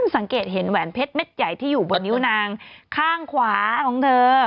สังเกตเห็นแหวนเพชรเม็ดใหญ่ที่อยู่บนนิ้วนางข้างขวาของเธอ